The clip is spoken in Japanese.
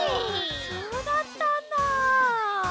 そうだったんだ。